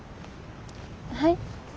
はい？